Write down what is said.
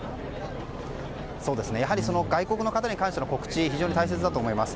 やはり外国の方に関しての告知は非常に大切だと思います。